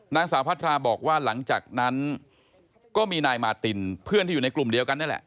นางสาวพัทราบอกว่าหลังจากนั้นก็มีนายมาตินเพื่อนที่อยู่ในกลุ่มเดียวกันนี่แหละ